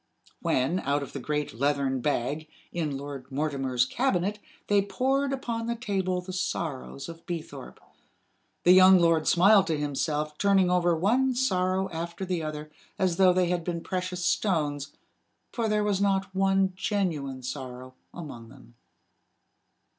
When, out of the great leathern bag, in Lord Mortimer's cabinet they poured upon the table the sorrows of Beethorpe, the young lord smiled to himself, turning over one sorrow after the other, as though they had been precious stones for there was not one genuine sorrow among them.